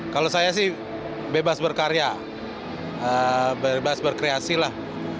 kalau saya sih bebas berkarya bebas berkreasi lah